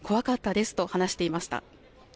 怖かったですと話していました。